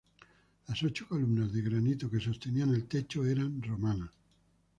Las ocho columnas de granito que sostenían el techo eran romanas.